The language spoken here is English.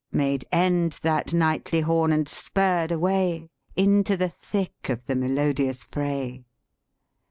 " Made end that knightly horn, and spurred away, Into the thick of the melodious fray."